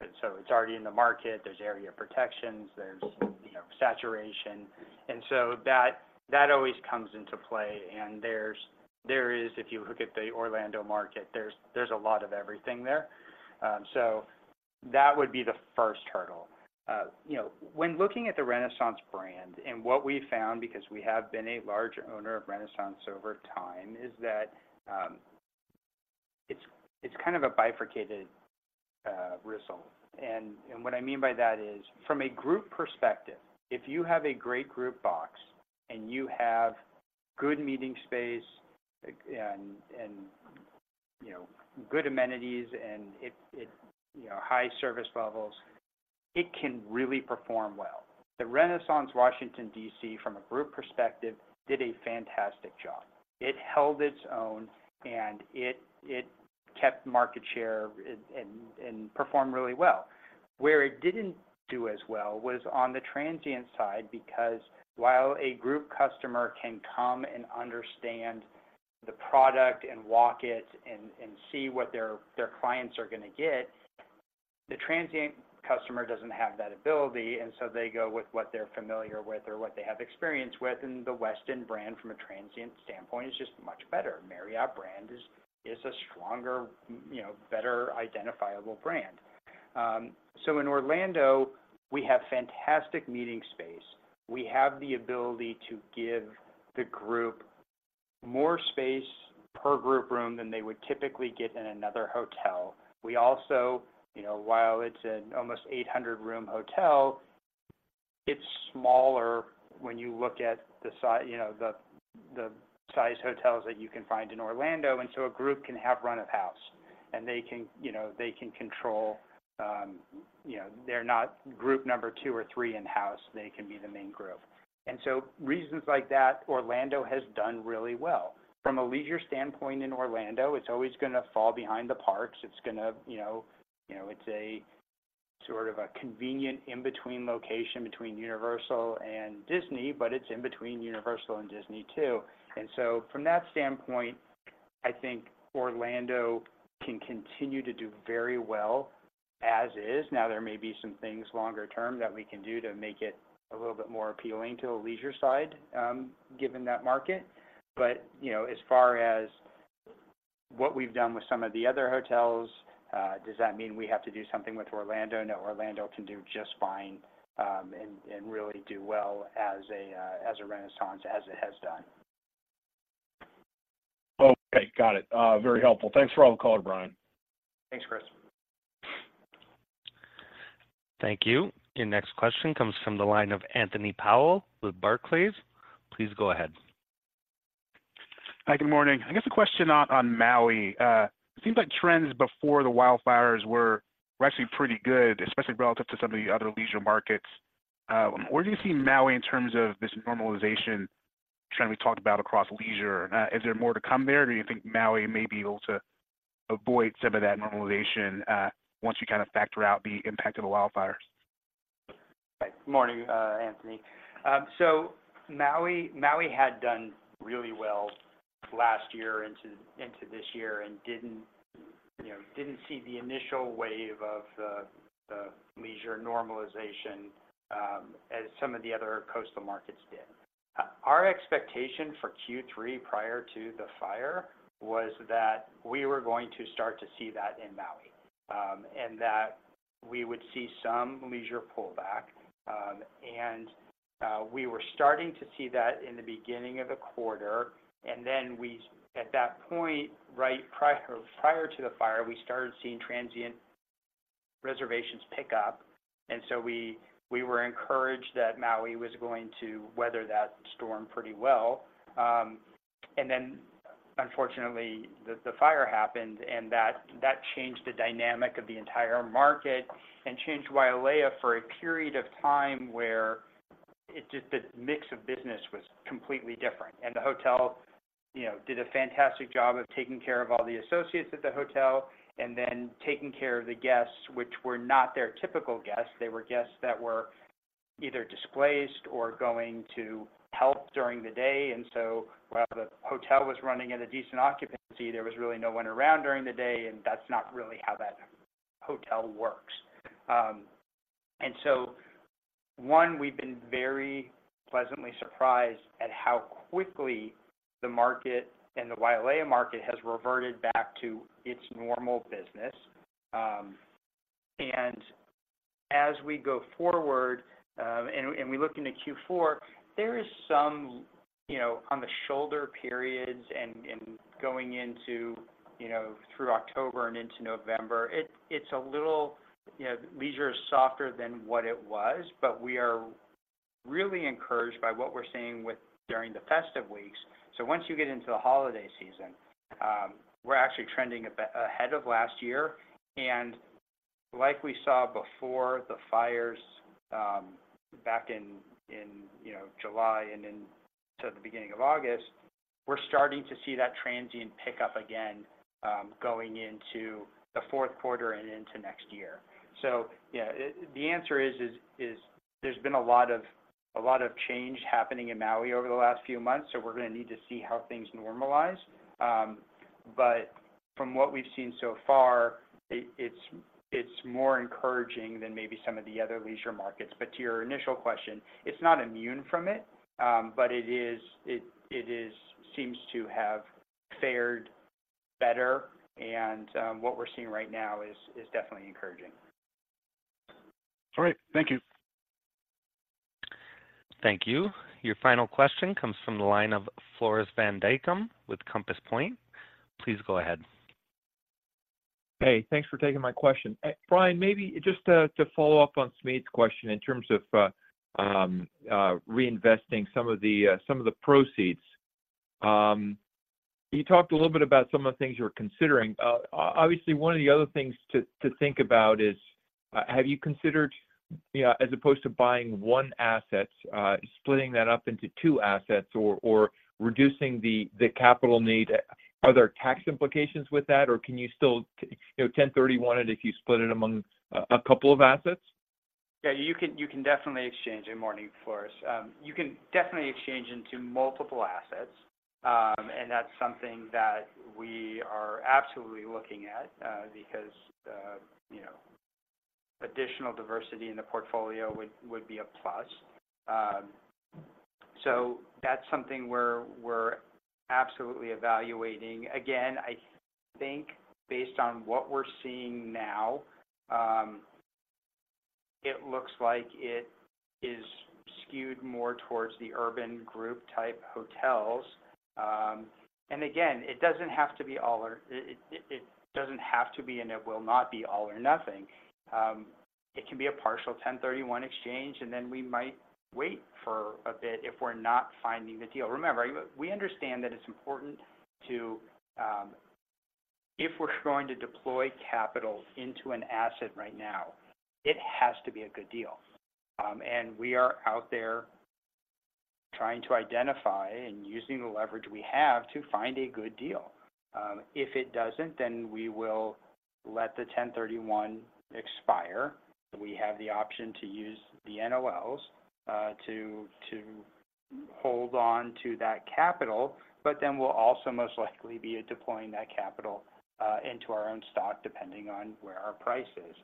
And so it's already in the market, there's area protections, there's, you know, saturation. And so that always comes into play, and there is, if you look at the Orlando market, there's a lot of everything there. That would be the first hurdle. You know, when looking at the Renaissance brand, and what we found, because we have been a large owner of Renaissance over time, is that it's kind of a bifurcated result. What I mean by that is, from a group perspective, if you have a great group box, and you have good meeting space, and you know, good amenities and it, it, you know, high service levels, it can really perform well. The Renaissance Washington, DC, from a group perspective, did a fantastic job. It held its own, and it kept market share and performed really well. Where it didn't do as well was on the transient side, because while a group customer can come and understand the product and walk it and see what their clients are going to get, the transient customer doesn't have that ability, and so they go with what they're familiar with or what they have experience with, and the Westin brand, from a transient standpoint, is just much better. Marriott brand is a stronger, you know, better identifiable brand. So in Orlando, we have fantastic meeting space. We have the ability to give the group more space per group room than they would typically get in another hotel. We also, you know, while it's an almost 800-room hotel, it's smaller when you look at the you know, the size hotels that you can find in Orlando, and so a group can have run of house, and they can, you know, they can control. You know, they're not group number two or three in-house, they can be the main group. And so reasons like that, Orlando has done really well. From a leisure standpoint in Orlando, it's always going to fall behind the parks. It's going to, you know, it's a sort of a convenient in-between location between Universal and Disney, but it's in between Universal and Disney, too. And so from that standpoint, I think Orlando can continue to do very well as is. Now, there may be some things longer term that we can do to make it a little bit more appealing to the leisure side, given that market. But, you know, as far as what we've done with some of the other hotels, does that mean we have to do something with Orlando? No, Orlando can do just fine, and, and really do well as a, as a Renaissance, as it has done. Okay, got it. Very helpful. Thanks for all the color, Bryan. Thanks, Chris. Thank you. Your next question comes from the line of Anthony Powell with Barclays. Please go ahead. Hi, good morning. I guess a question on Maui. It seems like trends before the wildfires were actually pretty good, especially relative to some of the other leisure markets. Where do you see Maui in terms of this normalization trend we talked about across leisure? Is there more to come there, or do you think Maui may be able to avoid some of that normalization, once you kind of factor out the impact of the wildfires? Good morning, Anthony. So Maui had done really well last year into this year and didn't, you know, didn't see the initial wave of the leisure normalization as some of the other coastal markets did. Our expectation for Q3 prior to the fire was that we were going to start to see that in Maui, and that we would see some leisure pullback. We were starting to see that in the beginning of the quarter, and then at that point, right prior to the fire, we started seeing transient reservations pick up, and so we were encouraged that Maui was going to weather that storm pretty well. And then unfortunately, the fire happened, and that changed the dynamic of the entire market and changed Wailea for a period of time where it just, the mix of business was completely different. And the hotel, you know, did a fantastic job of taking care of all the associates at the hotel and then taking care of the guests, which were not their typical guests. They were guests that were either displaced or going to help during the day. And so while the hotel was running at a decent occupancy, there was really no one around during the day, and that's not really how that hotel works. And so, we've been very pleasantly surprised at how quickly the market and the Wailea market has reverted back to its normal business. As we go forward, we look into Q4, there is some, you know, on the shoulder periods and going into, you know, through October and into November, it's a little. You know, leisure is softer than what it was, but we are really encouraged by what we're seeing during the festive weeks. So once you get into the holiday season, we're actually trending ahead of last year. And like we saw before the fires, back in, you know, July and into the beginning of August, we're starting to see that transient pick up again, going into the fourth quarter and into next year. So yeah, the answer is there's been a lot of change happening in Maui over the last few months, so we're going to need to see how things normalize. But from what we've seen so far, it's more encouraging than maybe some of the other leisure markets. But to your initial question, it's not immune from it, but it seems to have fared better, and what we're seeing right now is definitely encouraging. All right. Thank you. Thank you. Your final question comes from the line of Floris van Dijkum with Compass Point. Please go ahead. Hey, thanks for taking my question. Bryan, maybe just to follow up on Smedes's question in terms of reinvesting some of the proceeds. You talked a little bit about some of the things you're considering. Obviously, one of the other things to think about is, have you considered, yeah, as opposed to buying one asset, splitting that up into two assets or reducing the capital need? Are there tax implications with that, or can you still, you know, 1031 it if you split it among a couple of assets? Yeah, you can, you can definitely exchange Good morning, Floris. You can definitely exchange into multiple assets, and that's something that we are absolutely looking at, because, you know, additional diversity in the portfolio would, would be a plus. So that's something we're, we're absolutely evaluating. Again, I think based on what we're seeing now, it looks like it is skewed more towards the urban group-type hotels. And again, it doesn't have to be all or it doesn't have to be, and it will not be all or nothing. It can be a partial 1031 exchange, and then we might wait for a bit if we're not finding the deal. Remember, we understand that it's important to. If we're going to deploy capital into an asset right now, it has to be a good deal. We are out there trying to identify and using the leverage we have to find a good deal. If it doesn't, then we will let the1031 expire. We have the option to use the NOLs to hold on to that capital, but then we'll also most likely be deploying that capital into our own stock, depending on where our price is.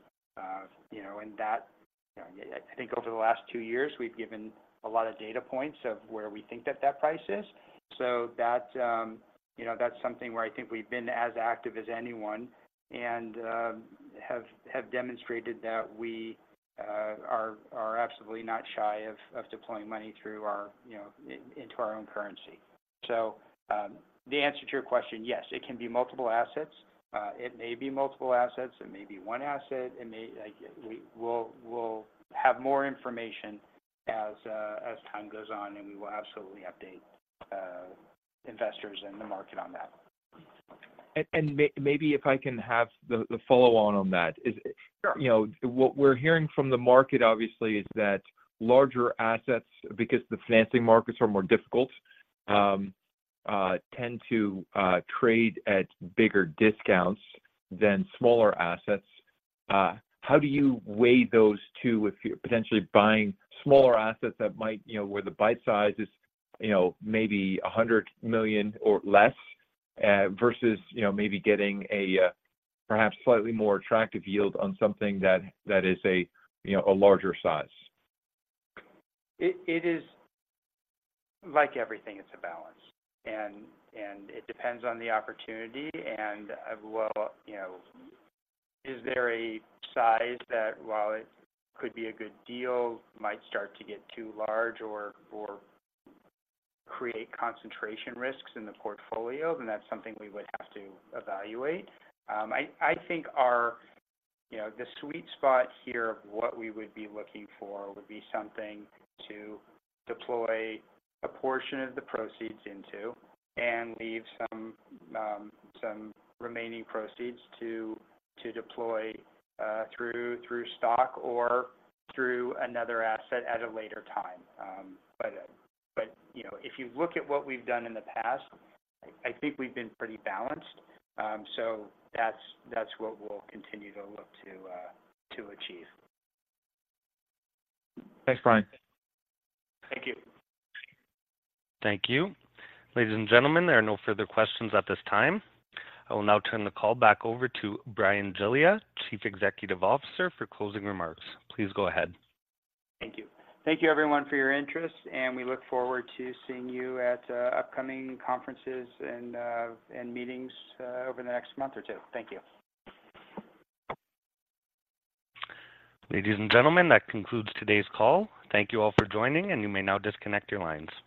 You know, and that, you know, I think over the last two years, we've given a lot of data points of where we think that that price is. So that, you know, that's something where I think we've been as active as anyone and have demonstrated that we are absolutely not shy of deploying money through our, you know, into our own currency. So, the answer to your question, yes, it can be multiple assets. It may be multiple assets, it may be one asset, like, we'll have more information as time goes on, and we will absolutely update investors and the market on that. Maybe if I can have the follow on that. Sure. You know, what we're hearing from the market obviously is that larger assets, because the financing markets are more difficult, tend to trade at bigger discounts than smaller assets. How do you weigh those two if you're potentially buying smaller assets that might, you know, where the bite size is, you know, maybe $100 million or less, versus, you know, maybe getting a, perhaps slightly more attractive yield on something that, that is a, you know, a larger size? It is like everything, it's a balance, and it depends on the opportunity and, well, you know, is there a size that, while it could be a good deal, might start to get too large or create concentration risks in the portfolio? Then that's something we would have to evaluate. I think our. You know, the sweet spot here of what we would be looking for would be something to deploy a portion of the proceeds into, and leave some remaining proceeds to deploy through stock or through another asset at a later time. But you know, if you look at what we've done in the past, I think we've been pretty balanced. So that's what we'll continue to look to achieve. Thanks, Brian. Thank you. Thank you. Ladies and gentlemen, there are no further questions at this time. I will now turn the call back over to Bryan Giglia, Chief Executive Officer, for closing remarks. Please go ahead. Thank you. Thank you everyone for your interest, and we look forward to seeing you at upcoming conferences and meetings over the next month or two. Thank you. Ladies and gentlemen, that concludes today's call. Thank you all for joining, and you may now disconnect your lines.